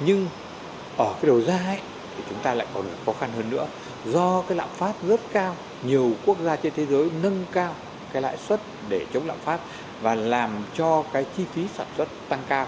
nhưng ở đầu gia chúng ta lại còn có khó khăn hơn nữa do lạm pháp rất cao nhiều quốc gia trên thế giới nâng cao lãi suất để chống lạm pháp và làm cho chi phí sản xuất tăng cao